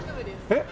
えっ？